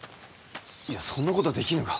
いやそんなことはできぬが。